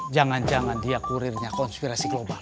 jangan jangan dia kurirnya konspirasi global